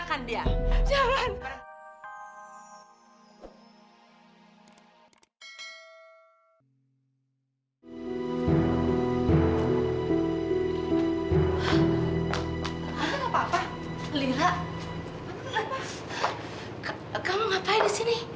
kamu ngapain di sini